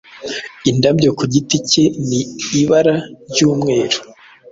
indabyo ku giti cye ni ibara ryumweru